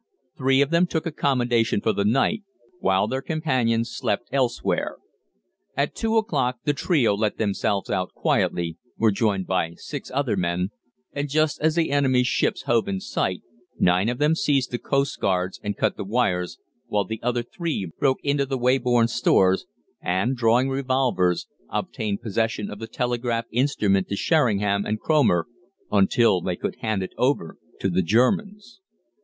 Three of them took accommodation for the night, while their companions slept elsewhere. At two o'clock the trio let themselves out quietly, were joined by six other men, and just as the enemy's ships hove in sight nine of them seized the coastguards and cut the wires, while the other three broke into the Weybourne Stores, and, drawing revolvers, obtained possession of the telegraph instrument to Sheringham and Cromer until they could hand it over to the Germans.